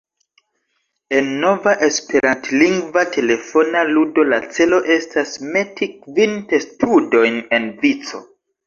En nova esperantlingva telefona ludo la celo estas meti kvin testudojn en vico.